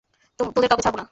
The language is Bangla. তোদের কাউকে ছাড়ব না।